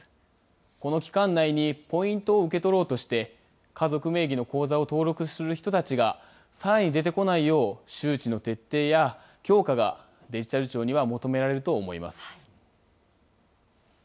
この期間内にポイントを受け取ろうとして、家族名義の口座を登録する人たちがさらに出てこないよう、周知の徹底や強化がデジタル次です。